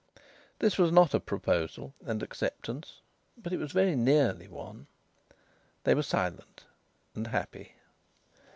This was not a proposal and acceptance, but it was very nearly one. They were silent, and happy.